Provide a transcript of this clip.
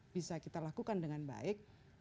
bisa kita lakukan dengan baik